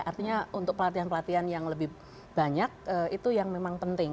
artinya untuk pelatihan pelatihan yang lebih banyak itu yang memang penting